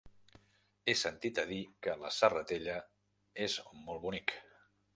He sentit a dir que la Serratella és molt bonic.